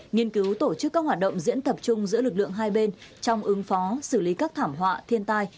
nghiên cứu tổ chức các hoạt động diễn tập chung giữa lực lượng hai bên trong ứng phó xử lý các thảm họa thiên tai